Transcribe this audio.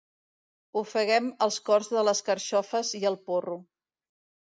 Ofeguem els cors de les carxofes i el porro.